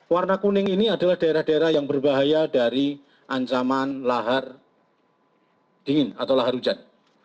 warna kuning ini adalah daerah daerah yang berbahaya dari ancaman lahar dingin atau lahar hujan